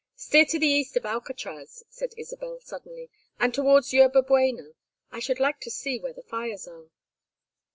"Steer to the east of Alcatraz," said Isabel, suddenly; "and towards Yerba Buena. I should like to see where the fires are."